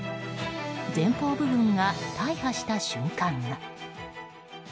前方部分が大破した瞬間が。